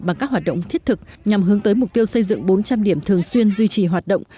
bằng các hoạt động thiết thực nhằm hướng tới mục tiêu xây dựng bốn trăm linh điểm thường xuyên duy trì hoạt động